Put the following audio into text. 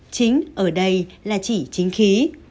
chính ở đây là chỉ chính khí